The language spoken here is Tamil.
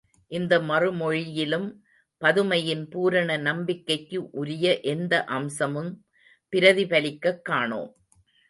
இந்த மறுமொழியிலும் பதுமையின் பூரண நம்பிக்கைக்கு உரிய எந்த அம்சமும் பிரதிபலிக்கக் காணோம்.